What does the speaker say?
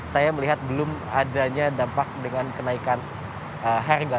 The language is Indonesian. saya melihat belum adanya dampak dengan kenaikan harga